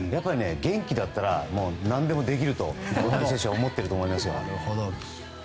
元気だったら何でもできると大谷選手は思っていると思います。